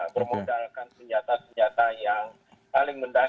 bermodalkan senjata senjata yang paling mendasar